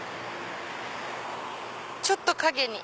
ちょっと陰に。